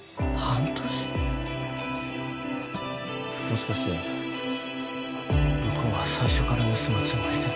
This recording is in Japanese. もしかして向こうは最初から盗むつもりで